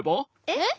えっ？